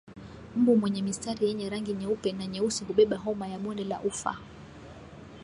Mbu mwenye mistari yenye rangi nyeupe na nyeusi hubeba Homa ya bonde la ufa